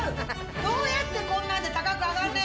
どうやってこんなんで高く上がんねん！